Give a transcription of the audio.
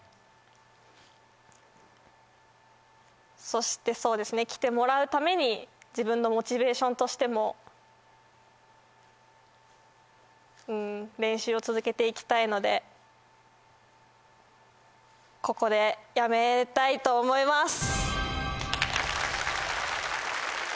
そしてそうですね来てもらうために自分のモチベーションとしても練習を続けて行きたいのでここでやめたいと思います。